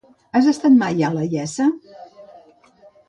Has estat mai a la Iessa?